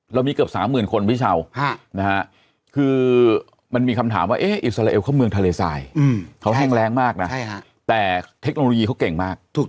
เรามีเกือบ๓๐๐๐คนพี่เช้าคือมันมีคำถามว่าอิสราเอลเข้าเมืองทะเลทรายเขาแห้งแรงมากนะแต่เทคโนโลยีเขาเก่งมาก